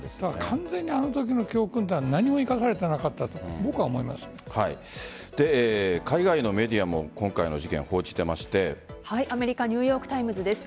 完全にあのときの教訓は何も生かされてなかったと海外のメディアもアメリカニューヨーク・タイムズです。